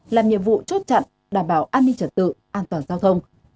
làm nhiệm vụ chốt chặn đảm bảo an ninh trật tự an toàn giao thông